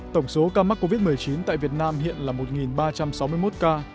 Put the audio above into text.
tổng số ca mắc covid một mươi chín tại việt nam hiện là một ba trăm sáu mươi một ca